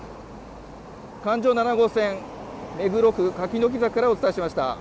環状７号線目黒区柿の木坂からお伝えしました。